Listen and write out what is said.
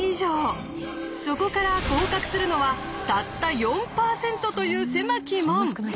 そこから合格するのはたった４％という狭き門！